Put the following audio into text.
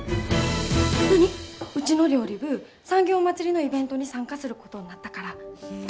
うちの料理部産業まつりのイベントに参加することになったから。